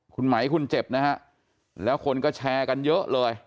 คุณไหมคุณเจ็บนะฮะแล้วคนก็แชร์กันเยอะเลย